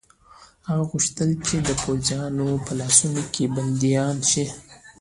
هغه غوښتل چې د پوځیانو په لاسونو کې بندیان شي.